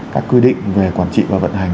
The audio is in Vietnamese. các quy định về quản trị và vận hành